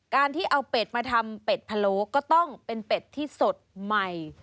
การที่เอาเป็ดมาทำเป็ดพะโล้ก็ต้องเป็นเป็ดที่สดใหม่